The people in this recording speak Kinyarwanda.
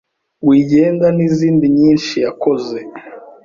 Wigenda n’izindi nyinshi yakoze